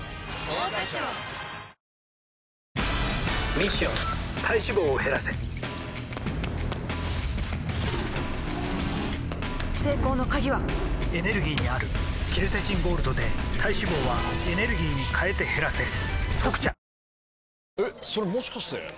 ミッション体脂肪を減らせ成功の鍵はエネルギーにあるケルセチンゴールドで体脂肪はエネルギーに変えて減らせ「特茶」